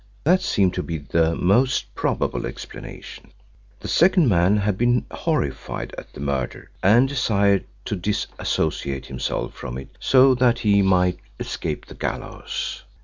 That seemed to be the most probable explanation. The second man had been horrified at the murder, and desired to disassociate himself from it so that he might escape the gallows.